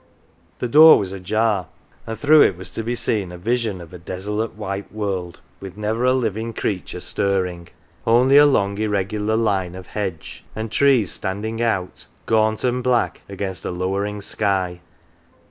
247 OUR JOE" The door was ajar, and through it was to be seen a vision of a desolate white world, with never a living creature stirring; only a long irregular line of hedge, and trees stand ing out, gaunt and black, against a lower ing sky.